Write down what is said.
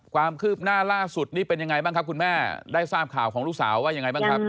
ความคืบหน้าล่าสุดนี้เป็นยังไงบ้างครับคุณแม่ได้ทราบข่าวของลูกสาวว่ายังไงบ้างครับ